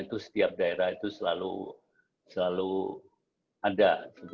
itu setiap daerah itu selalu ada